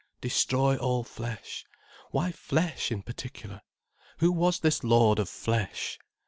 "Destroy all flesh," why "flesh" in particular? Who was this lord of flesh?